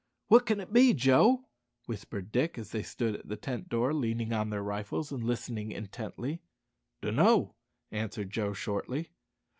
"What can it be, Joe?" whispered Dick as they stood at the tent door leaning on their rifles, and listening intently. "Dun'no'," answered Joe shortly.